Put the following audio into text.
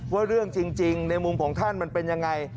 ว่าเรื่องจริงในมุมของท่านมันเป็นยังไง